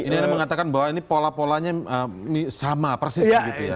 ini anda mengatakan bahwa ini pola polanya sama persis begitu ya